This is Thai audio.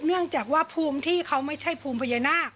เนื่องจากว่าภูมิที่เขาไม่ใช่ภูมิพญานาค